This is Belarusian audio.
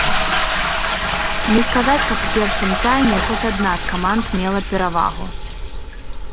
Не сказаць, каб у першым тайме хоць адна з каманд мела перавагу.